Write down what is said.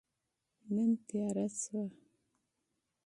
نن تیاره شوه